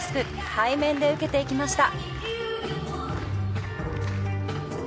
背面で受けていきました。